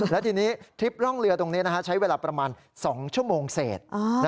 และทีนี้ทริปร่องเรือตรงนี้ใช้เวลาประมาณ๒ชั่วโมงเศษ